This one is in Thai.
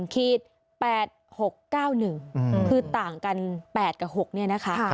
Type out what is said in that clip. ๑คือต่างกัน๘กับ๖เนี่ยนะคะ